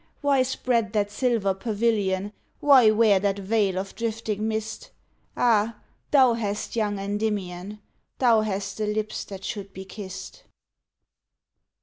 Why spread that silver pavilion, Why wear that veil of drifting mist? Ah! thou hast young Endymion Thou hast the lips that should be kissed!